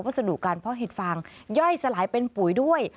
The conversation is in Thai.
สดุการเพาะเห็ดฟางย่อยสลายเป็นปุ๋ยด้วย